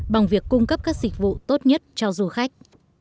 bằng việc cung cấp các dịch vụ tốt nhất cho du khách